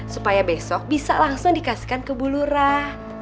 supaya besok bisa langsung dikasihkan ke bulurah